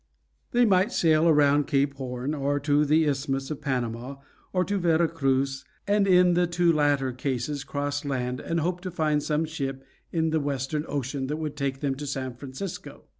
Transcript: They might sail around Cape Horn, or to the Isthmus of Panama, or to Vera Cruz, and in the two latter cases cross land, and hope to find some ship in the western ocean that would take them to San Francisco.